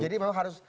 jadi memang harus